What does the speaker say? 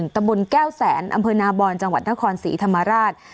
ตะบนแก้วแสนอำเภอนาบอนจังหวัดนครศรีธรรมราช